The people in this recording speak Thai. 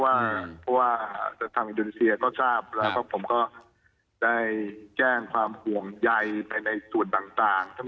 เพราะว่าทางอินโดนีเซียก็ทราบแล้วก็ผมก็ได้แจ้งความห่วงใยไปในส่วนต่าง